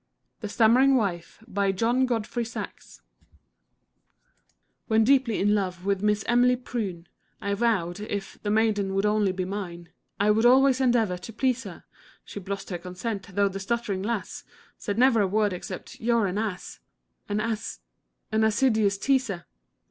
_ THE STAMMERING WIFE When deeply in love with Miss Emily Pryne, I vowed, if, the maiden would only be mine, I would always endeavor to please her. She blushed her consent, though the stuttering lass Said never a word except "You're an ass An ass an ass iduous teaser!"